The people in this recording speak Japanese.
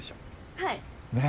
はい！ねぇ